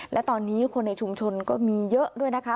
และตอนนี้คนในชุมชนก็มีเยอะด้วยนะคะ